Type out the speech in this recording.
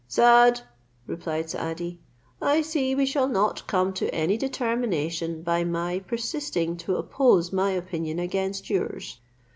"Saad," replied Saadi, "I see we shall not come to any determination by my persisting to oppose my opinion against yours.